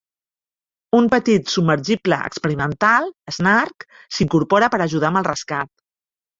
Un petit submergible experimental, "Snark", s'incorpora per ajudar amb el rescat.